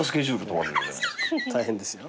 大変ですよ。